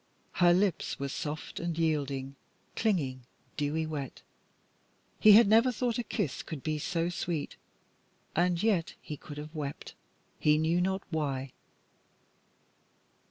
Her lips were soft and yielding, clinging, dewy wet. He had never thought a kiss could be so sweet, and yet he could have wept, he knew not why.